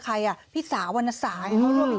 ใครอ่ะพี่สาวอาณาสาย